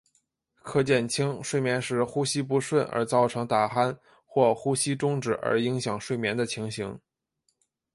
可减轻睡眠时呼吸不顺而造成打鼾或呼吸中止而影响睡眠的情形。